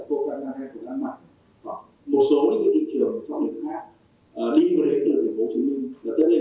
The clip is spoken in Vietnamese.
so với việc phục hồi kinh tế